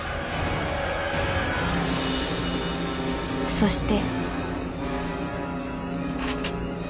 そして